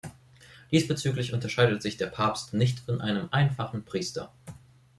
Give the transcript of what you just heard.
Diesbezüglich unterscheidet sich der Papst nicht von einem einfachen Priester.